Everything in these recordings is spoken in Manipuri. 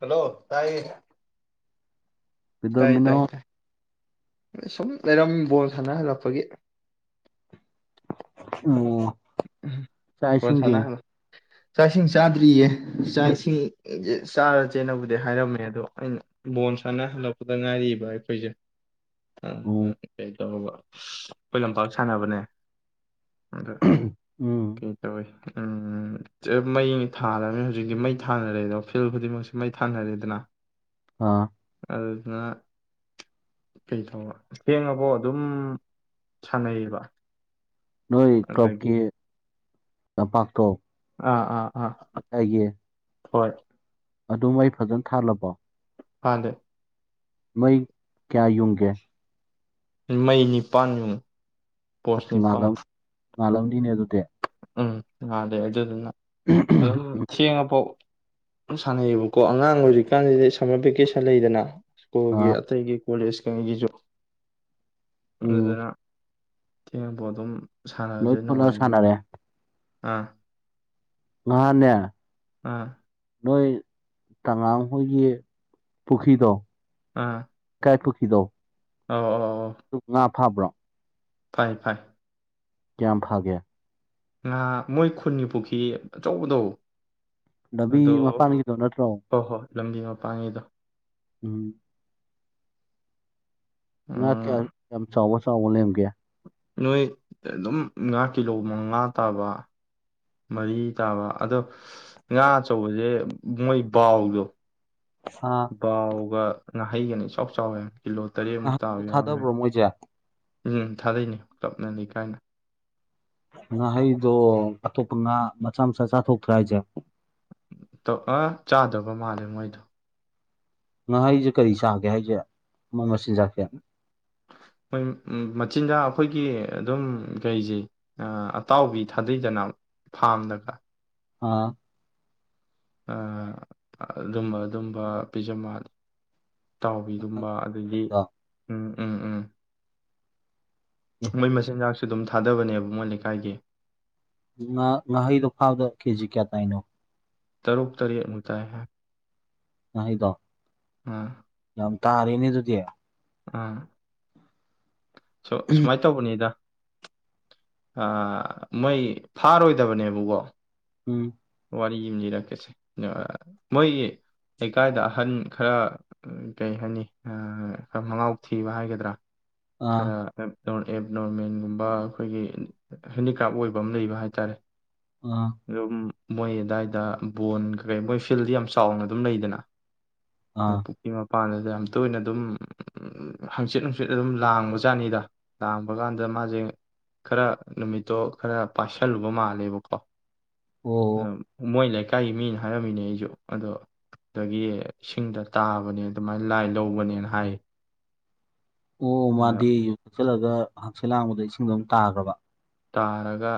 ꯍꯜꯂꯣ ꯇꯥꯏ ꯇꯥꯏ ꯀꯩꯗꯧꯔꯝꯃꯤꯅꯣ ꯇꯥꯏ ꯇꯥꯏ ꯁꯨꯝ ꯑꯦꯔꯝꯣ ꯁꯅꯍꯜꯂꯛꯄꯒꯤ ꯑꯣ꯫ ꯎꯝ ꯄꯣꯟꯁꯥꯅ꯫ ꯆꯥꯛ ꯏꯁꯤꯡ ꯆꯥꯗ꯭ꯔꯤꯌꯦ ꯆꯥꯛ ꯏꯁꯤꯡ ꯆꯥꯔ ꯆꯦꯟꯅꯕꯨꯗꯤ ꯍꯥꯏꯔꯝꯃꯦ ꯑꯗꯣ ꯑꯩꯅ꯫ ꯕꯣꯟ ꯁꯥꯟꯅ ꯍꯜꯂꯛꯄꯗ ꯉꯥꯏꯔꯤꯕ ꯑꯩꯈꯣꯏꯁꯦ꯫ ꯎꯝ ꯀꯩ ꯇꯧꯔꯕ ꯑꯩꯈꯣꯏ ꯂꯝꯄꯥꯛ ꯁꯥꯟꯅꯕꯅꯦ ꯑ ꯎꯝ꯫ ꯀꯩ ꯇꯧꯋꯦ ꯎꯝ ꯃꯩ ꯊꯥꯔꯕꯅꯦꯅ ꯍꯧꯖꯤꯛꯇꯤ ꯃꯩ ꯊꯥꯅꯔꯦꯗꯣ ꯐꯤꯜ ꯈꯨꯗꯤꯡꯃꯛꯁꯦ꯫ ꯃꯩ ꯊꯥꯅꯔꯦꯗꯅ꯫ ꯑꯥ꯫ ꯑꯗꯨꯅ꯫ ꯀꯩ ꯇꯔ ꯊꯦꯡꯉꯐꯧ ꯑꯗꯨꯝ ꯁꯥꯟꯅꯩꯌꯦꯕ꯫ ꯅꯣꯏ ꯑꯗꯒꯤ ꯀ꯭ꯂꯕꯀꯤ ꯄꯥꯛꯇꯣ꯫ ꯑꯥ ꯑꯥ ꯑꯥ꯫ ꯍꯣꯏ꯫ ꯑꯗꯨꯝ ꯃꯩ ꯐꯖꯅ ꯊꯥꯜꯂꯕꯣ꯫ ꯊꯥꯂꯦ꯫ ꯃꯩ ꯀꯌꯥ ꯌꯨꯡꯒꯦ꯫ ꯃꯩ ꯅꯤꯄꯥꯟ ꯌꯨꯡ ꯄꯣꯁ ꯑꯁ ꯅꯤꯄꯥꯜ꯫ ꯉꯥꯜꯂꯝ ꯉꯥꯜꯂꯝꯅꯤꯅꯦ ꯑꯗꯨꯗꯤ꯫ ꯎꯝ ꯉꯥꯂꯦ ꯑꯗꯨꯗꯨꯅ ꯑꯗꯨꯝ ꯊꯦꯡꯉꯐꯥꯎ꯫ ꯁꯥꯟꯅꯩꯌꯦꯕꯀꯣ ꯑꯉꯥꯡ ꯍꯧꯖꯤꯛꯀꯥꯟꯁꯤꯗꯤ ꯁꯝꯃꯔ ꯚꯦꯀꯦꯁꯟ ꯂꯩꯗꯅ ꯁ꯭ꯀꯨꯜꯒꯤ ꯑꯥ ꯑꯇꯩꯒꯤ꯫ ꯀꯣꯂꯦꯖꯀꯒꯤꯁꯨ꯫ ꯎꯝ ꯑꯣꯏꯗꯅ ꯊꯦꯉꯕꯣꯗꯨꯝ꯫ ꯂꯣꯏꯊꯣꯂꯛꯑ ꯁꯥꯟꯅꯔꯦ꯫ ꯑꯥ꯫ ꯑꯥ ꯅꯦ꯫ ꯑꯥ꯫ ꯅꯣꯏ ꯇꯉꯥꯡ ꯍꯣꯏꯒꯤ ꯄꯨꯈ꯭ꯔꯤꯗꯣ꯫ ꯑꯥ꯫ ꯨꯄꯨꯈꯤꯗꯣ꯫ ꯑꯣ꯫ ꯑꯗꯨ ꯉꯥ ꯐꯥꯕ꯭ꯔꯣ꯫ ꯐꯥꯏ ꯐꯥꯏ꯫ ꯀꯌꯥꯝ ꯐꯥꯒꯦ꯫ ꯉꯥ ꯃꯣꯏ ꯈꯨꯟꯒꯤ ꯄꯨꯈ꯭ꯔꯤ ꯑꯆꯧꯕꯗꯣ꯫ ꯂꯝꯕꯤ ꯑꯗꯣ ꯃꯄꯥꯟꯒꯤꯗꯣ ꯅꯠꯇ꯭ꯔꯣ ꯍꯣꯏ ꯍꯣꯏ ꯂꯝꯕꯤ ꯃꯄꯥꯟꯒꯤꯗꯣ꯫ ꯎꯝ꯫ ꯉꯥ ꯎꯝ ꯀꯌꯥ ꯌꯥꯝ ꯆꯥꯎꯕ ꯆꯥꯎꯕ ꯂꯦꯝꯒꯦ꯫ ꯅꯣꯏ ꯑꯗꯨꯝ ꯉꯥ ꯀꯤꯂꯣ ꯃꯉꯥ ꯇꯥꯕ꯫ ꯃꯔꯤ ꯇꯥꯕ ꯑꯗꯣ ꯉꯥ ꯑꯆꯧꯕꯁꯦ ꯃꯣꯏ ꯕꯥꯎꯗꯣ꯫ ꯕꯥꯎꯒ ꯉꯥꯍꯩꯒꯅ ꯏꯆꯥꯎ ꯆꯥꯎꯋꯦ ꯀꯤꯂꯣ ꯇꯔꯦꯠꯃꯨꯛ ꯇꯥꯕ ꯉꯥꯍꯩꯁꯨ ꯌꯥꯎꯔꯝꯃꯦ꯫ ꯊꯥꯗꯕ꯭ꯔꯣ ꯃꯣꯏꯁꯦ ꯎꯝ ꯊꯥꯗꯩꯅꯦ ꯀ꯭ꯂꯞꯅ ꯂꯩꯀꯥꯏꯅ꯫ ꯉꯥꯍꯩꯗ ꯑꯊꯣꯞꯄ ꯅꯉꯥ ꯃꯆꯥ ꯃꯆꯥ ꯆꯥꯊꯣꯛꯇ꯭ꯔ ꯍꯥꯏꯁꯦ꯫ [unintelligible] ꯑ ꯆꯥꯗꯕ ꯃꯥꯜꯂꯦ ꯃꯣꯏꯗꯣ꯫ ꯉꯍꯩꯁꯦ ꯀꯔꯤ ꯆꯥꯒꯦ ꯍꯥꯏꯁꯦ꯫ ꯑꯃ ꯃꯆꯤꯟꯖꯥꯛꯁꯦ ꯍꯣꯏ ꯃꯆꯤꯟꯖꯥꯛ꯫ ꯑꯩꯈꯣꯏꯒꯤ ꯑꯗꯨꯝ ꯀꯩꯁꯦ ꯑꯇꯥꯎꯕꯤ ꯊꯥꯗꯩꯗꯅ ꯐꯥꯝꯗꯒ꯫ ꯑꯥ꯫ ꯑ ꯑꯗꯨꯝꯕ ꯑꯗꯨꯝꯕ ꯄꯤꯖ ꯃꯥꯜꯂꯦ꯫ ꯆꯥꯎꯕꯤꯒꯨꯝꯕ ꯑꯗꯒꯤ ꯎꯝ ꯎꯝ ꯎꯝ꯫ ꯑꯦ ꯃꯣꯏ ꯃꯆꯤꯟꯖꯥꯛꯁꯨ ꯑꯗꯨꯝ ꯊꯥꯗꯕꯅꯦꯕ ꯃꯣꯏ ꯂꯩꯀꯥꯏꯒꯤ ꯉ ꯉꯥꯍꯩꯗꯣ ꯐꯥꯕꯗ ꯀꯦꯖꯤ ꯀꯌꯥ ꯇꯏꯅꯣ ꯇꯔꯣ ꯇꯔ ꯅꯨꯇꯑ ꯍꯥꯏ ꯑ ꯏꯗꯣ ꯑꯥ ꯇꯥ ꯑꯔꯅꯤ ꯑꯗꯨꯗꯤ ꯎꯝ ꯁꯨꯃꯥꯏꯅ ꯇꯧꯕꯅꯤꯗ ꯑ ꯃꯣꯏ ꯐꯥꯔꯣꯏꯗꯕꯅꯦꯕꯀꯣ ꯎꯝ ꯋꯥꯔꯤ ꯌꯦ ꯂꯤꯔꯛꯀꯦꯁꯦ ꯃꯣꯏ ꯂꯩꯀꯥꯏꯗ ꯑꯍꯟ ꯈꯔ ꯀꯩ ꯍꯥꯏꯅꯤ ꯈꯔ ꯃꯉꯥꯎ ꯊꯤꯕ ꯍꯥꯏꯒꯗ꯭ꯔꯥ ꯑꯥ ꯈꯔ ꯅ ꯑꯦꯞ ꯅꯣꯔꯃꯦꯟꯒꯨꯝꯕ ꯑꯩꯈꯣꯏꯒꯤ ꯍꯦꯟꯗꯤꯀ꯭ꯔꯥꯞ ꯑꯣꯏꯕ ꯑꯃ ꯂꯩꯕ ꯍꯥꯏꯇꯥꯔꯦ ꯑꯥ ꯑꯗꯨꯝ ꯃꯣꯏ ꯑꯗꯨꯋꯥꯏꯗ ꯕꯣꯟ ꯀꯩꯀꯩ ꯃꯣꯏ ꯐꯤꯜꯗꯤ ꯌꯥꯝ ꯆꯥꯎꯅ ꯑꯗꯨꯝ ꯂꯩꯗꯅ ꯑ ꯑꯥ ꯄꯨꯈ꯭ꯔꯤ ꯃꯄꯥꯟꯗꯨꯗ ꯌꯥꯝ ꯇꯣꯏꯅ ꯑꯗꯨꯝ ꯍꯪꯆꯤꯠ ꯍꯪꯆꯤꯠ ꯑꯗꯨꯝ ꯂꯥꯡꯕꯖꯥꯠꯅꯤꯗ ꯂꯥꯡꯕ ꯀꯥꯟꯗ ꯃꯥꯁꯦ ꯈꯔ ꯅꯨꯃꯤꯠꯇꯣ ꯈꯔ ꯄꯥꯏꯁꯜꯂꯨꯕ ꯃꯥꯜꯂꯦꯕꯀꯣ ꯑꯣ ꯃꯣꯏ ꯂꯩꯀꯥꯏꯒꯤ ꯃꯤꯅ ꯍꯥꯏꯔꯝꯃꯤꯅꯦ ꯑꯩꯁꯨ ꯑꯗꯣ ꯑꯗꯒꯤ ꯏꯁꯤꯡꯗ ꯇꯥꯕꯅꯦ ꯑꯗꯨꯃꯥꯏꯅ ꯂꯥꯏ ꯂꯧꯕꯅꯦꯅ ꯍꯥꯏ ꯑꯣ ꯑꯗ ꯃꯥꯗꯤ ꯍꯥꯛꯆꯤꯜꯂꯒ ꯍꯛꯁꯦꯜ ꯂꯥꯡꯕꯗ ꯏꯁꯤꯡꯗꯣ ꯑꯗꯨꯝ ꯇꯥꯈ꯭ꯔꯕ ꯇꯥꯔꯒ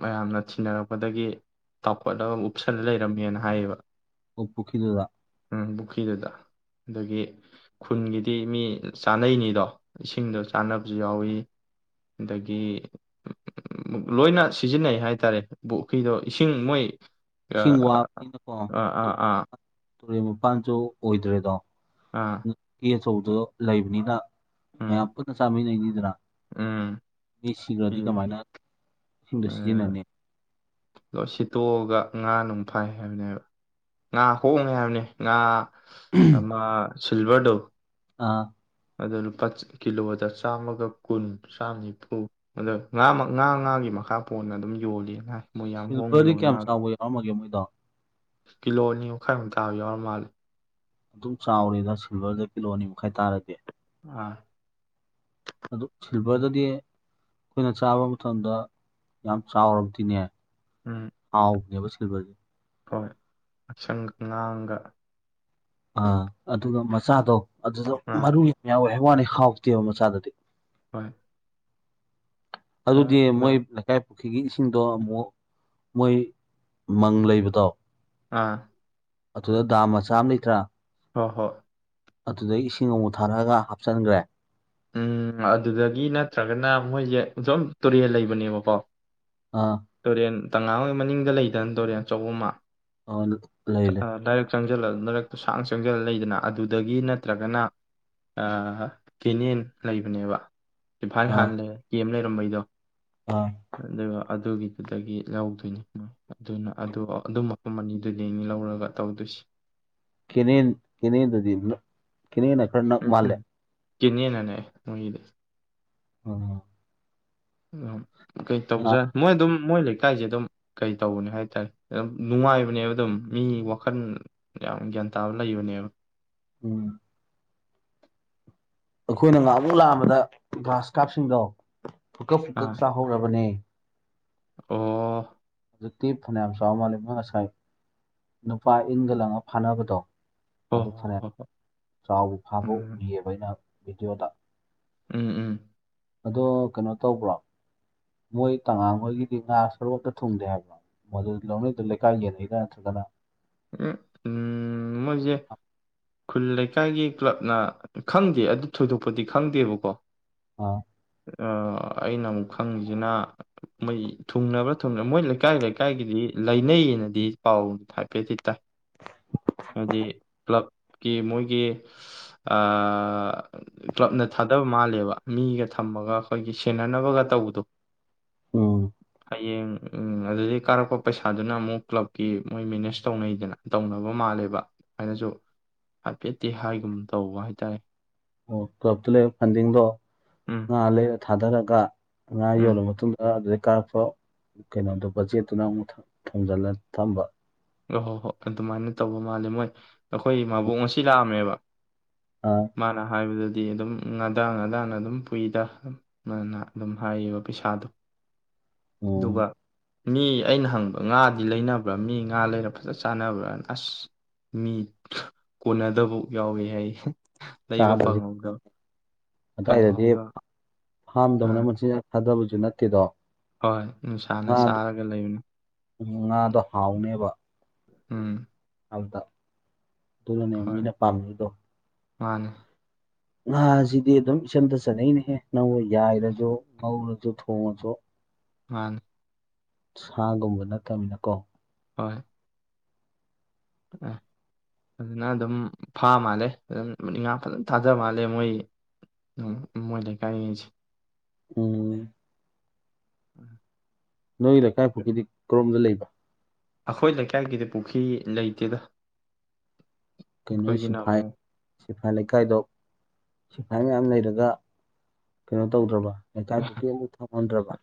ꯃꯌꯥꯝꯅ ꯊꯤꯟꯅꯔꯛꯄꯗꯒꯤ ꯆꯥꯎꯥꯎꯈꯠꯂꯒ ꯎꯞꯁꯜꯂ ꯂꯩꯔꯝꯃꯦꯅ ꯍꯥꯏꯌꯦꯕ ꯑꯣ ꯄꯨꯨꯈꯔ꯭ꯤ ꯗꯨꯗ ꯎꯝ ꯄꯨꯈ꯭ꯔꯤꯗꯨꯗ ꯑꯗꯒꯤ ꯈꯨꯟꯒꯤꯗꯤ ꯃꯤ ꯆꯥꯅꯩꯅꯤꯗꯣ ꯏꯁꯤꯡꯗꯣ ꯆꯥꯅꯕꯁꯨ ꯌꯥꯎꯏꯤ ꯑꯗꯒꯤ ꯎ ꯂꯣꯏꯅ ꯁꯤꯖꯤꯟꯅꯩ ꯍꯥꯏꯇꯥꯔꯦ ꯄꯨꯈ꯭ꯔꯤꯗꯣ ꯏꯁꯤꯡ ꯃꯣꯏ ꯏꯁꯤꯡ ꯑꯥ ꯋꯥꯕꯅꯤꯅꯀꯣ ꯑꯥ ꯑꯥ ꯇꯨꯔꯦꯟ ꯃꯄꯥꯟꯁꯨ ꯑꯣꯏꯗ꯭ꯔꯦꯗꯣ ꯑꯥ ꯑꯆꯧꯕꯗꯣ ꯂꯩꯕꯅꯤꯅ ꯃ ꯎꯝ ꯑꯨ ꯊ ꯁꯃꯤꯗꯤ ꯏꯗꯔꯥ ꯎꯝ [unintelligible] ꯃꯤ ꯁꯤꯈ꯭ꯔꯗꯤ ꯏ- ꯀꯃꯥꯏꯅ ꯏꯁꯤꯡꯗꯣ ꯁꯤꯖꯤꯟꯅꯅꯤ ꯑꯗꯣ ꯁꯤꯠꯇꯣꯛꯑꯒ ꯉꯥ ꯅꯨꯡ ꯐꯥꯏ ꯍꯥꯏꯕꯅꯦꯕ ꯉꯥ ꯍꯣꯡꯉꯦ ꯍꯥꯏꯕꯅꯤ ꯉꯥ ꯑꯃ ꯁꯤꯜꯚꯔꯗꯣ ꯑ ꯑꯗꯣ ꯂꯨꯄꯥ ꯀꯤꯂꯣꯗ ꯆꯥꯝꯃꯒ ꯀꯨꯟ ꯆꯥꯝ ꯅꯤꯐꯨ ꯑꯗ ꯉꯥ ꯉꯥ ꯉꯥꯒꯤ ꯃꯈꯥ ꯄꯣꯟꯅ ꯑꯗꯨꯝ ꯌꯣꯜꯂꯦꯅ ꯍꯥꯏ ꯃꯣꯏ ꯌꯥꯝ ꯍꯣꯡꯅ ꯁꯤꯜꯚꯔꯗꯤ ꯌꯣꯟ ꯀꯌꯥꯝ ꯃꯥꯜꯂꯦ ꯆꯥꯎꯕ ꯌꯥꯎꯔꯝꯃꯒꯦ ꯃꯣꯏꯗꯣ ꯀꯤꯂꯣ ꯑꯅꯤ ꯃꯈꯥꯏꯃꯨꯛ ꯇꯥꯕ ꯌꯥꯎꯔ ꯃꯥꯂꯦ ꯑꯗꯨꯝ ꯆꯥꯎꯔꯤꯗ ꯁꯤꯜꯚꯔꯗ ꯀꯤꯂꯣ ꯑꯅꯤ ꯃꯈꯥꯏ ꯇꯥꯔꯗꯤ ꯑꯥ ꯑꯗꯨꯣ ꯎꯝ ꯁꯤꯜꯕꯗꯗꯤꯌꯦ ꯑꯩꯈꯣꯏꯅ ꯆꯥꯕ ꯃꯇꯝꯗ ꯌꯥꯝ ꯆꯥꯎꯔꯕꯗꯤꯅꯦ ꯎꯝ ꯍꯥꯎꯕꯅꯦꯕ ꯊꯕꯦ ꯍꯣꯏ ꯑꯁꯪꯒ ꯉꯥꯡꯒ ꯑꯥ ꯑꯗꯨꯒ ꯃꯆꯥꯗꯣ ꯑꯗꯨꯗ ꯑꯥ ꯃꯔꯨ ꯌꯥꯝ ꯌꯥꯎꯋꯦ ꯋꯥꯅꯤ ꯍꯥꯎꯇꯦꯕ ꯃꯆꯥꯗꯨꯗꯤ ꯍꯣꯏ ꯑ ꯑꯗꯨꯗꯤ ꯃꯣꯏ ꯑꯗꯨꯝ ꯂꯩꯥꯏ ꯄꯨꯈ꯭ꯔꯤꯒꯤ ꯏꯁꯤꯡꯗꯣ ꯑꯃꯨꯛ ꯃꯣꯏ ꯃꯪ ꯂꯩꯕꯗꯣ ꯑꯥ ꯑꯗꯨꯗ ꯗꯥꯝ ꯃꯆꯥ ꯑꯃ ꯂꯩꯇ꯭ꯔꯥ꯫ ꯍꯣꯏ ꯍꯣꯏ꯫ ꯑꯗꯨꯗ ꯏꯁꯤꯡ ꯑꯃꯨꯛ ꯊꯥꯔꯛꯑꯒ ꯍꯥꯞꯆꯤꯟꯈ꯭ꯔꯦ꯫ ꯎꯝ ꯑꯗꯨꯗꯒꯤ ꯅꯠꯇ꯭ꯔꯒꯅ ꯃꯣꯏꯁꯦ ꯑꯁꯣꯝ ꯇꯨꯔꯦꯜ ꯂꯩꯕꯅꯦꯕꯀꯣ꯫ ꯑꯥ ꯇꯨꯔꯦꯟ ꯇꯉꯥꯡ ꯍꯣꯏ ꯃꯅꯤꯡꯗ ꯂꯩꯗꯅ ꯇꯨꯔꯦꯟ ꯑꯆꯧꯕ ꯑꯃ꯫ ꯑ ꯂꯩ ꯂꯩ ꯆꯪꯁꯤꯜꯂ ꯃꯔꯛꯇꯨ ꯁꯥꯡ ꯆꯪꯁꯤꯜꯂ ꯂꯩꯗꯅ ꯑꯗꯨꯗꯒꯤ ꯅꯠꯇ꯭ꯔꯒꯅ ꯑꯥ ꯀꯦꯅꯦꯟ ꯂꯩꯕꯅꯦꯕ ꯏꯝꯐꯥꯜ ꯑꯥ ꯍꯥꯟꯅ ꯀꯤꯌꯦꯝ ꯂꯩꯔꯝꯕꯩꯗꯣ꯫ ꯑꯥ ꯑꯗꯨꯒ ꯑꯗꯨꯒꯤꯗꯨꯗꯒꯤ ꯂꯧꯗꯣꯏꯅꯤ ꯃꯣꯏ꯫ ꯑꯗꯨꯅ ꯑꯗꯨ ꯑꯗꯨ ꯃꯐꯝ ꯑꯅꯤꯗꯨꯗꯤ ꯂꯧꯔꯒ ꯇꯧꯗꯣꯏꯁꯤ꯫ ꯀꯦꯅꯦꯟ ꯀꯦꯅꯦꯟ ꯗꯗꯤ ꯀꯦꯅꯦꯟꯅ ꯈꯔꯥ ꯅꯛ ꯃꯥꯜꯂꯦ꯫ ꯀꯦꯅꯦꯜꯅꯅꯦ꯫ [unintelligible] ꯑꯣ꯫ ꯀꯩ ꯇꯧꯖꯠ ꯃꯣꯏ ꯑꯗꯨꯝ ꯃꯣꯏ ꯂꯩꯀꯥꯏꯁꯦ ꯑꯗꯨꯝ ꯀꯩ ꯇꯧꯕꯅꯦ ꯍꯥꯏꯇꯥꯔꯦ ꯑꯗꯨꯝ ꯅꯨꯡꯉꯥꯏꯕꯅꯦꯕ ꯑꯗꯨꯝ ꯃꯤ ꯋꯥꯈꯜ ꯌꯥꯝ ꯒ꯭ꯌꯥꯟ ꯇꯥꯕ ꯂꯩꯕꯅꯦꯕ꯫ ꯎꯝ꯫ ꯑꯩꯈꯣꯏꯅ ꯉꯍꯥꯛꯃꯨꯛ ꯂꯥꯛꯑꯝꯕꯗ ꯒ꯭ꯂꯥꯁ ꯀꯥꯞꯁꯤꯡꯗꯣ ꯐꯨꯡꯀꯛ ꯐꯨꯡꯀꯛ ꯑꯥ ꯆꯥꯍꯧꯔꯕꯅꯦ꯫ ꯑꯣ꯫ ꯍꯧꯖꯤꯛꯇꯤ ꯐꯅꯌꯥꯝ ꯆꯥꯎ ꯃꯥꯜꯂꯦ ꯃꯣꯏ ꯉꯁꯥꯏ ꯅꯨꯄꯥ ꯏꯟꯒ ꯂꯪꯉꯒ ꯐꯥꯅꯕꯗꯣ ꯍꯣ ꯍꯣ ꯑꯗꯨ ꯐꯅꯌꯥꯝ ꯍꯣ ꯍꯣ ꯆꯥꯎꯕ ꯐꯥꯕ ꯎꯝ ꯎꯒꯤꯌꯦꯕ ꯑꯩꯅ ꯚꯤꯗꯤꯑꯣꯗ꯫ ꯎꯝ ꯎꯝ꯫ ꯑꯗꯣ ꯀꯩꯅꯣ ꯇꯧꯕ꯭ꯔꯣ꯫ ꯃꯣꯏ ꯇꯉꯥꯡꯈꯣꯏꯒꯤꯗꯤ ꯉꯥ ꯁꯔꯨꯛ ꯑꯃꯇ ꯊꯨꯡꯗꯦ ꯍꯥꯏꯕ ꯕꯔꯣ ꯃꯣꯏꯑꯗꯨ ꯂꯧꯅꯩꯗꯨ ꯂꯩꯀꯥꯏ ꯌꯦꯅꯩꯔ ꯅꯠꯇ꯭ꯔꯒ ꯎꯝ ꯎꯝ ꯃꯣꯏꯁꯦ ꯈꯨꯜ ꯂꯩ ꯂꯩꯀꯥꯏꯒꯤ ꯀ꯭ꯂꯕꯅ ꯈꯪꯗꯦ ꯑꯗꯨ ꯊꯣꯏꯗꯣꯛꯄꯗꯤ ꯈꯪꯗꯦꯕꯀꯣ꯫ ꯑꯣ꯫ ꯑꯥ ꯑꯩꯅ ꯑꯃꯨꯛ ꯈꯪꯉꯤꯁꯤꯅ ꯃꯣꯏ ꯊꯨꯡꯅꯕ꯭ꯔꯥ ꯊꯨꯡꯅꯕ ꯃꯣꯏ ꯂꯩꯀꯥꯏ ꯂꯩꯀꯥꯏꯒꯤꯗꯤ ꯂꯩꯅꯩꯑꯦꯅꯗꯤ ꯄꯥꯎ ꯍꯥꯏꯐꯦꯠꯇꯤ ꯇꯥꯏ꯫ ꯍꯥꯏꯗꯤ ꯀ꯭ꯂꯕꯀꯤ ꯃꯣꯏꯒꯤ ꯀ꯭ꯂꯕ ꯅꯠ ꯊꯥꯗꯕ ꯃꯥꯜꯂꯦꯕ ꯃꯤꯒ ꯊꯝꯃꯒ ꯑꯩꯈꯣꯏꯒꯤ ꯁꯦꯟꯅꯅꯕꯒ ꯇꯧꯕꯗꯨ꯫ ꯎꯝ ꯌꯦꯡ ꯎꯝ ꯑꯗꯨꯗꯒꯤ ꯀꯥꯔꯛꯄ ꯄꯩꯁꯥꯗꯨꯅ ꯑꯃꯨꯛ ꯀ꯭ꯂꯕꯀꯤ ꯃꯣꯏ ꯃꯦꯅꯦꯖ ꯇꯧꯅꯩꯗꯅ ꯇꯧꯅꯕ ꯃꯥꯜꯂꯦꯕ ꯑꯩꯅꯁꯨ꯫ ꯍꯥꯏꯐꯦꯠꯇꯤ ꯍꯥꯏꯒꯨꯝ ꯇꯧꯕ ꯍꯥꯏꯇꯥꯔꯦ꯫ ꯑꯣ ꯀ꯭ꯂꯞꯇ ꯂꯩꯕ ꯐꯟꯗꯤꯡꯗꯣ ꯎꯝ ꯉꯥ ꯂꯩꯔ ꯊꯥꯗꯔꯒ ꯉꯥ ꯎꯝ ꯌꯣꯜꯂ ꯃꯇꯨꯡꯗ ꯑꯗꯨꯗꯩꯩ ꯀꯥꯔꯞꯄ ꯀꯩꯅꯣꯗꯨꯕꯆꯦꯠꯇꯨꯅ ꯑꯃꯨꯛ ꯊꯣꯝꯖꯤꯜꯂ ꯊꯝꯕ꯫ ꯑꯣ ꯍꯣ ꯍꯣ ꯑꯗꯨꯃꯥꯏꯅ ꯇꯧꯕ ꯃꯥꯜꯂꯦ ꯃꯣꯏ ꯑꯩꯈꯣꯏ ꯃꯕꯣꯛ ꯉꯁꯤ ꯂꯥꯛꯑꯝꯃꯦꯕ꯫ ꯃꯥꯅꯥ ꯍꯥꯏꯕꯗꯨ ꯗꯤ ꯑꯗꯨꯝ ꯉꯥꯗꯥ ꯉꯥꯗꯥꯅ ꯑꯗꯨꯝ ꯄꯨꯏꯗ ꯃꯥꯅ ꯑꯗꯨꯝ ꯍꯥꯏꯔꯤꯕ ꯄꯩꯁꯥꯗꯨ꯫ ꯎꯝ ꯑꯗꯨꯒ꯫ ꯃꯤ ꯑꯩꯅ ꯍꯪꯕ ꯉꯥꯗꯤ ꯂꯩꯅꯕ꯭ꯔꯥ ꯃꯤ ꯉꯥ ꯂꯩꯔ ꯐꯖ ꯆꯥꯅꯕ꯭ꯔꯥꯅ ꯑꯁ ꯃꯤ ꯀꯣꯟꯅꯗꯕ ꯌꯥꯎꯋꯤ ꯍꯥꯏ꯫ ꯂꯩꯕ ꯆꯥꯗ꯭ꯔꯗꯤ ꯐꯪꯍꯧꯗꯕ ꯑꯏꯗꯗꯤ ꯐꯪꯍꯧꯗꯕ ꯐꯥꯝ ꯇꯧꯅ ꯑꯥ ꯃꯆꯤꯟꯖꯥꯛ ꯊꯥꯗꯕꯁꯨ ꯅꯠꯇꯦꯗꯣ꯫ ꯍꯣꯏ ꯅꯨꯡꯁꯥꯅ ꯆꯥꯔꯒ ꯂꯩꯕꯅꯤ꯫ ꯎꯝ ꯉꯥꯗꯣ ꯍꯥꯎꯅꯦꯕ꯫ ꯎꯝ꯫ ꯑꯗꯨꯅꯅꯦ ꯃꯤꯅ ꯄꯥꯝꯅꯩꯗꯣ꯫ ꯃꯥꯅꯦ ꯉꯍꯥꯁꯤꯗꯤ ꯑꯗꯨꯝ ꯏꯆꯝꯇ ꯆꯠꯅꯛꯩꯅꯦꯍꯦ ꯅꯪ ꯌꯥꯏꯔꯁꯨ ꯉꯧꯔꯁꯨ ꯊꯣꯡꯉꯁꯨ ꯋꯥ ꯁꯥꯒꯨꯝꯕ ꯅꯠꯇꯃꯤꯅꯀꯣ ꯍꯣꯏ ꯑ ꯑꯗꯨꯅ ꯑꯗꯨꯝ ꯐꯥ ꯃꯥꯜꯂꯦ ꯑꯗꯨꯝ ꯉꯥ ꯐꯖꯅ ꯊꯥꯖ ꯃꯥꯜꯂꯦ ꯃꯣꯏ ꯎ ꯃꯣꯏ ꯂꯩ ꯀꯥꯏꯖ ꯎꯝ ꯎꯝ ꯅꯣꯏ ꯂꯩꯀꯥꯏ ꯄꯨꯈꯀꯤꯗꯤ ꯀꯔꯣꯝꯗ ꯂꯩꯕ ꯑꯩꯈꯣꯏ ꯂꯩꯀꯥꯏꯒꯤꯗꯤ ꯄꯨꯈ꯭ꯔꯤ ꯂꯩꯇꯦꯗ ꯀꯩꯅꯣ ꯑꯩꯈꯣꯏꯒꯤꯅ ꯁꯤꯐꯥꯏ ꯑꯃꯨꯛ ꯁꯤꯐꯥꯏ ꯂꯩꯀꯥꯏꯗꯣ ꯁꯤꯐꯥꯏ ꯃꯌꯥꯝ ꯂꯩꯔꯒ ꯀꯩꯅꯣ ꯇꯧꯗ꯭ꯔꯕ ꯂꯩꯀꯥꯏ ꯄꯨ꯭ꯔꯤ ꯑꯃ ꯊꯣꯡꯍꯟꯗ꯭ꯔꯕ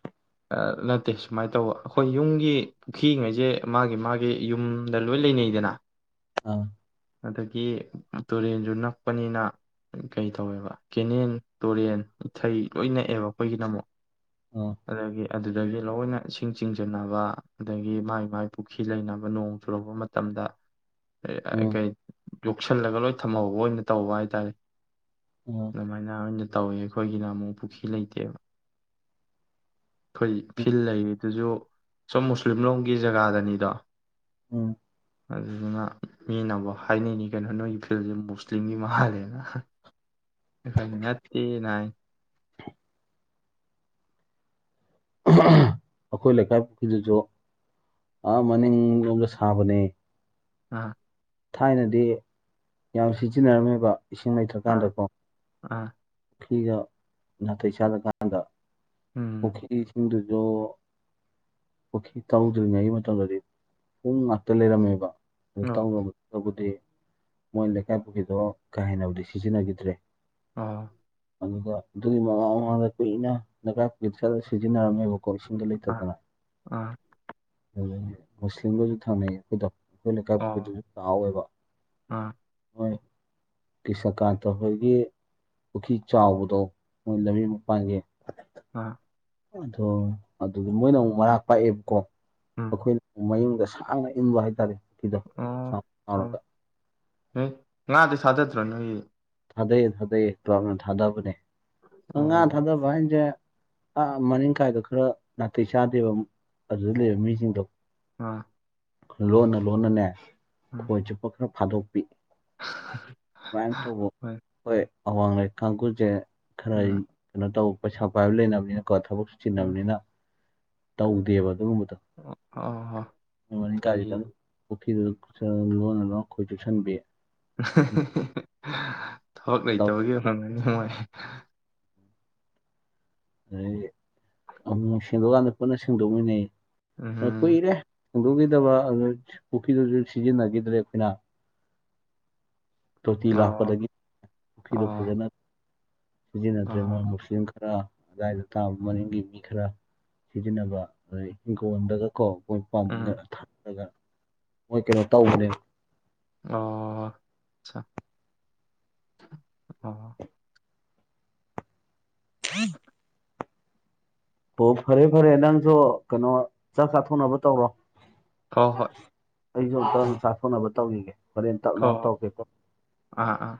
ꯅꯠꯇꯦ ꯁꯨꯃꯥꯏꯅ ꯇꯧꯕ ꯑꯩꯈꯣꯏ ꯌꯨꯝꯒꯤ ꯄꯨꯈ꯭ꯔꯤꯉꯩꯁꯦ ꯃꯥꯒꯤ ꯃꯥꯒꯤ ꯌꯨꯝꯗ ꯂꯣꯏ ꯂꯩꯅꯤꯗꯅ ꯑꯥ ꯑꯗꯒꯤ ꯇꯨꯔꯦꯟꯁꯨ ꯅꯛꯄꯅꯤꯅ ꯀꯩ ꯇꯧꯋꯦꯕ ꯀꯦꯅꯦꯜ ꯇꯨꯔꯦꯟ ꯏꯊꯩ ꯂꯣꯏ ꯅꯛꯑꯦꯕ ꯑꯩꯈꯣꯏꯒꯤꯗꯃꯛꯛ ꯑꯥ ꯑꯗꯨꯗꯒꯤ ꯑꯗꯨꯗꯒꯤ ꯂꯣꯏꯅ ꯏꯁꯤꯡ ꯆꯤꯡꯁꯤꯟꯅꯕ ꯑꯗꯒꯤ ꯃꯒꯤ ꯃꯥꯏ ꯄꯨꯈ꯭ꯔꯤ ꯂꯩꯅꯕ ꯅꯣꯡ ꯆꯨꯔꯛꯄ ꯃꯇꯝꯗ [unintelligible] ꯑꯥ ꯌꯣꯛꯁꯜꯂꯒ ꯂꯣꯏ ꯊꯝꯍꯧꯕ ꯑꯣꯏꯅ ꯇꯧꯕ ꯍꯥꯏꯇꯥꯔꯦ ꯑꯥ ꯑꯗꯨꯃꯥꯏꯅ ꯑꯣꯏꯅ ꯇꯧꯋꯦ ꯑꯩꯈꯣꯏꯒꯤꯅ ꯑꯃꯨꯛ ꯄꯨꯈ꯭ꯔꯤ ꯂꯩꯇꯦꯕ ꯑꯩꯈꯣꯏ ꯐꯤꯜ ꯂꯩꯔꯤ ꯑꯗꯨꯁꯨ ꯁꯝ ꯃꯨꯁꯂꯤꯝ ꯂꯣꯝꯒꯤ ꯖꯒꯥꯗꯅꯤꯗꯣ ꯎꯝ ꯑꯗꯨꯗꯨꯅ ꯃꯤꯅꯐ ꯍꯥꯏꯅꯅꯤ ꯀꯩꯅꯣ ꯅꯣꯏꯒꯤ ꯐꯤꯜꯁꯦ ꯃꯨꯁꯂꯤꯝꯒꯤ ꯃꯥꯜꯂꯦꯅ ꯈ ꯌꯥꯠꯇ ꯅꯥꯏ [unintelligible] ꯑꯩꯈꯣꯏ ꯂꯩꯀꯥꯏ ꯄꯨꯈ꯭ꯔꯤꯗꯁꯨ ꯑꯥ ꯃꯅꯤꯡ ꯂꯣꯝꯗ ꯁꯥꯕꯅꯦ ꯑꯥ ꯊꯥꯏꯅꯗꯤ ꯌꯥꯝ ꯁꯤꯖꯤꯟꯅꯔꯝꯃꯦꯕ ꯏꯁꯤꯡ ꯑꯥ ꯂꯩꯇ꯭ꯔꯀꯥꯟꯗꯀꯣ ꯑꯥ ꯄꯨꯈ꯭ꯔꯤꯒ ꯅꯥꯇꯩ ꯆꯥꯂꯀꯥꯟꯗ ꯎꯝ ꯄꯈꯨ ꯁꯤꯁꯤꯡꯗꯨ ꯑꯗꯣ ꯄꯨꯈꯤ꯭ ꯇꯧꯗ꯭ꯔꯤꯉꯩꯒꯤ ꯃꯇꯝꯗꯗꯤ ꯄꯨꯡ ꯉꯥꯛꯇ ꯂꯩꯔꯝꯃꯦꯕ ꯑꯗꯨ ꯑꯣ ꯇꯧꯕꯨꯗꯤ ꯃꯣꯏ ꯂꯩꯀꯥꯏ ꯄꯨꯒꯤꯗꯣ ꯀꯥ ꯍꯦꯟꯅꯕꯨꯗꯤ ꯁꯤꯖꯤꯟꯅꯈꯤꯗ꯭ꯔꯦ ꯑꯥ ꯑꯗꯨꯒ ꯑꯗꯨꯒꯤ ꯃꯃꯥꯡ ꯃꯃꯥꯡꯗ ꯀꯨꯏꯅ ꯅꯒꯥ ꯀ ꯆꯠꯂ ꯁꯤꯖꯤꯟꯅꯔꯝꯃꯦꯕꯀꯣ ꯀꯣꯔꯁꯤꯡꯁꯤꯡꯗ ꯑꯥ ꯂꯩꯇꯔꯗꯅ ꯑꯥ ꯃꯨꯁꯂꯤꯝꯕꯨꯁꯨ ꯊꯥꯡꯩ ꯍꯣꯏꯗ ꯑꯩꯈꯣꯏ ꯂꯩꯀꯥꯏ ꯑꯣ ꯄꯕꯗꯁꯨ ꯇꯥꯎꯋꯦꯕ ꯑꯥ ꯍꯣꯏ ꯀꯤꯁꯀꯥꯇ ꯍꯒ ꯄꯨꯈ꯭ꯔꯤ ꯆꯥꯎꯕꯗꯣ ꯃꯣꯏ ꯂꯝꯕꯤ ꯃꯄꯥꯟꯒꯤ ꯑꯥ ꯑꯗꯣ ꯑꯗꯨꯗꯤ ꯃꯣꯏꯅ ꯑꯃꯨꯛ ꯃꯔꯥ ꯄꯥꯛꯑꯦꯕꯀꯣ ꯎꯝ ꯑꯩꯈꯣꯏꯅ ꯑꯃꯨꯛ ꯃꯌꯨꯡꯗ ꯁꯥꯡꯅ ꯏꯟꯕ ꯍꯥꯏꯇꯥꯔꯦꯤꯗꯥꯎꯒ ꯑꯦ ꯉꯥꯗꯤ ꯁꯥꯖꯗ꯭ꯔꯣ ꯅꯣꯏ ꯑꯩ ꯊꯥꯗꯩ ꯊꯥꯗꯩ ꯀꯅ ꯊꯥꯗꯕꯅꯦ ꯑꯗ ꯉꯥ ꯑꯣ ꯊꯥꯗꯕ ꯍꯥꯏꯁꯦ ꯑ ꯃꯅꯤꯡ ꯀꯥꯏꯗ ꯈꯔ ꯅꯥꯇꯩ ꯆꯥꯗꯦꯕ ꯑꯗꯨꯗ ꯂꯩꯕ ꯃꯤꯁꯤꯡꯗꯣ ꯑꯥ ꯂꯣꯟꯅ ꯂꯣꯟꯅꯅꯦ ꯎꯝ ꯈꯣꯏ ꯆꯤꯄ ꯈꯔ ꯊꯥꯗꯣꯛꯄꯤ ꯁꯨꯃꯥꯏꯅ ꯇꯧꯕ ꯍꯣꯏ ꯑꯋꯥꯡ ꯂꯩꯀꯒꯁꯦ ꯈꯔ ꯑꯩ ꯎꯝ ꯀꯩꯅꯣ ꯇꯧ ꯄꯩꯁꯥ ꯄꯥꯏꯕ ꯂꯩꯅꯕꯅꯤꯅꯀꯣ ꯊꯕꯛ ꯁꯨ ꯎꯝ ꯆꯤꯟꯅꯕꯅꯤꯅ ꯇꯧꯗꯦꯕ ꯑꯗꯨꯒꯨꯝꯕ ꯑ ꯁꯩ ꯐꯤꯔ ꯂꯣꯟꯅ ꯑꯩꯈꯣꯏ ꯆꯦꯛꯁꯤꯟꯕꯤ ꯊꯕꯛ ꯇꯧ ꯂꯩꯇꯕꯒꯤ ꯍꯪꯉꯅꯤ ꯅꯨꯡꯉꯥꯏ ꯑꯩ ꯑꯃꯨꯛ ꯁꯦꯡꯗꯣꯛꯀꯥꯟꯗ ꯄꯨꯟꯅ ꯁꯦꯡꯗꯣꯛꯃꯤꯟꯅꯩ ꯎꯝ ꯀꯨꯏꯔꯦ ꯍꯦꯡꯗꯣꯛꯈꯤꯗꯕ ꯑꯗꯨ ꯄꯨꯈ꯭ꯔꯤꯗꯨꯁꯨ ꯁꯤꯖꯤꯟꯅꯈꯤꯗ꯭ꯔꯦ ꯑꯩꯈꯣꯏꯅ ꯇꯣꯇꯤ ꯑꯣ ꯂꯥꯛꯄꯗꯒꯤ ꯄꯨꯈ꯭ꯔꯤꯗꯣ ꯑꯣ ꯐꯖꯅ ꯁꯤꯖꯤꯟꯅꯗ꯭ꯔꯦ ꯃꯣꯏ ꯑꯣ ꯃꯨꯛꯁꯤ ꯈꯔ ꯑꯗꯨꯗꯥꯏꯗ ꯇꯥꯕ ꯃꯡꯒꯤ ꯃꯤ ꯈꯔ ꯁꯤꯖꯤꯟꯅꯕ ꯑꯗꯩ ꯍꯤꯡꯈꯣꯜꯗꯒꯀꯣ ꯑꯩꯈꯣꯏ ꯄꯝ ꯎꯝ ꯊꯂꯒ ꯃꯣꯏ ꯀꯩꯅꯣ ꯇꯧꯕꯅꯦ ꯑꯣꯆꯥ ꯍꯥ ꯍꯣ ꯐꯔꯦ ꯐꯔꯦ ꯅꯪꯁꯨ ꯀꯩꯅꯣ ꯆꯥꯛ ꯆꯥꯊꯣꯛꯅꯕ ꯇꯧꯔꯣ ꯍꯣꯏ ꯍꯣꯏ ꯑꯩꯁꯨ ꯑꯝꯇꯪ ꯎꯝ ꯆꯥ ꯊꯣꯟꯅꯕ ꯇꯧꯔꯤꯒꯦ ꯍꯣꯔꯦꯟ ꯍꯣꯏ ꯇꯞꯅꯎ ꯍꯣꯏ ꯇꯧꯒꯦꯀꯣ ꯑꯥ ꯑꯥ